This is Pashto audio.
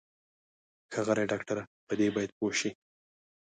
ښاغلی ډاکټره په دې باید پوه شې.